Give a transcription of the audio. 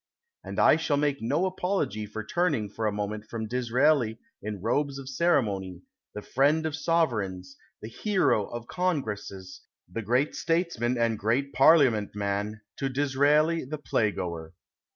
And I shall make no apology for turning for a moment from Disraeli in robes of ceremony, the friend of Sovereigns, the hero of Congresses, the great statesman and great Parliament man, to Disraeli the playgoer.